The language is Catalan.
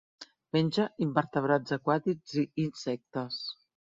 Menja invertebrats aquàtics i insectes.